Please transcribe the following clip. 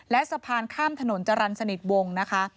และสะพานข้ามถนนจรรย์สนิทวงนะคะ